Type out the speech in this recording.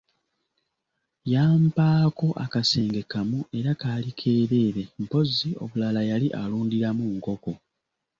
Yampaako akasenge kamu era kaali keereere mpozzi obulala yali alundiramu nkoko.